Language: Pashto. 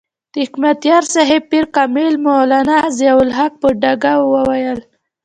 د حکمتیار صاحب پیر کامل مولانا ضیاء الحق په ډاګه وویل.